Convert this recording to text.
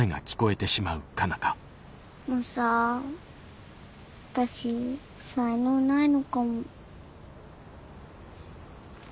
マサ私才能ないのかも。